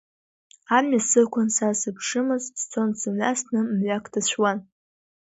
Амҩа сықәын, са сыԥшымызт, сцон сымҩасны, мҩак ҭацәуан.